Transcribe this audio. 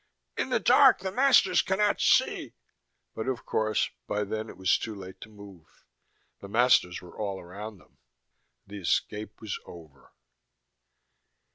In the dark the masters cannot see " But, of course, by then it was too late to move. The masters were all around them. The escape was over.